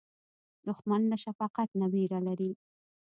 دښمن له شفقت نه وېره لري